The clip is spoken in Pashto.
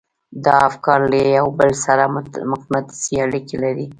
دا افکار له يو بل سره مقناطيسي اړيکې لري.